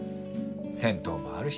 銭湯もあるし。